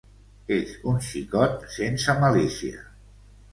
És un xicot sense malícia.